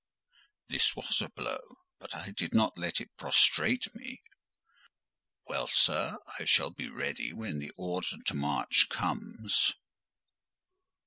This was a blow: but I did not let it prostrate me. "Well, sir, I shall be ready when the order to march comes."